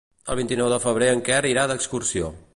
El vint-i-nou de febrer en Quer irà d'excursió.